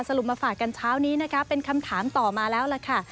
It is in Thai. สรุปมาฝากกันเช้านี้นะคะเป็นคำถามต่อมาแล้วล่ะค่ะ